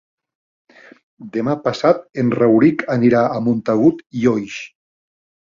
Demà passat en Rauric anirà a Montagut i Oix.